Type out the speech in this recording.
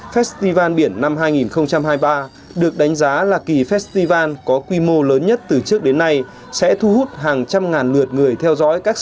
festival biển năm hai nghìn hai mươi ba được đánh giá là kỳ festival có quy mô lớn nhất từ trước đến giờ